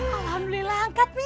alhamdulillah angkat min